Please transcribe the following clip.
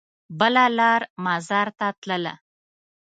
بله لار مزار ته تلله.